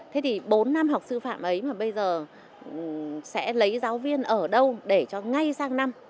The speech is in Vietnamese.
thế thì bốn năm học sư phạm ấy mà bây giờ sẽ lấy giáo viên ở đâu để cho ngay sang năm